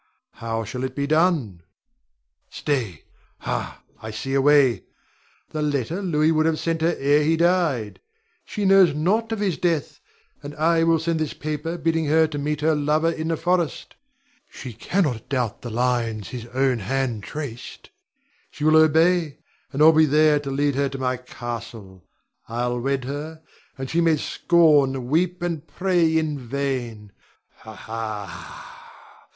How shall it be done? Stay! Ha, I see a way! the letter Louis would have sent her ere he died. She knows not of his death, and I will send this paper bidding her to meet her lover in the forest. She cannot doubt the lines his own hand traced. She will obey, and I'll be there to lead her to my castle. I'll wed her, and she may scorn, weep, and pray in vain. Ha, ha!